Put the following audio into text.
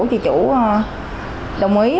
chị chủ đồng ý